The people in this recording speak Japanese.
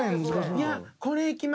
いや。